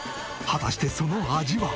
果たしてその味は？